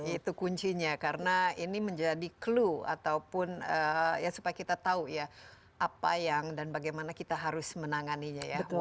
itu kuncinya karena ini menjadi clue ataupun ya supaya kita tahu ya apa yang dan bagaimana kita harus menanganinya ya